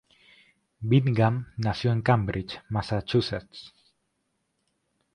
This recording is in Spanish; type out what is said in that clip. Bingham nació en Cambridge, Massachusetts.